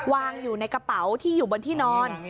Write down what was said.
วางอยู่ในกระเป๋าที่อยู่บนที่นอน